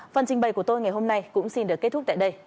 phần trình bày của tôi ngày hôm nay cũng xin được kết thúc tại đây